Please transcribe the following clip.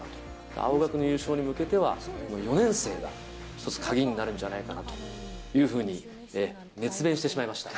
青学の優勝に向けては、４年生が一つ、鍵になるんじゃないかなというふうに、熱弁してしまいました。